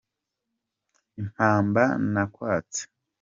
Impamba nakwatse.